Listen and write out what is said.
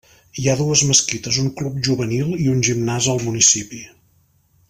Hi ha dues mesquites, un club juvenil i un gimnàs al municipi.